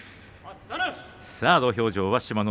土俵上、志摩ノ